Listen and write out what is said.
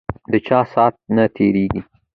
ده چا سات نه تیریږی